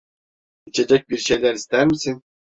İçecek bir şeyler ister misin?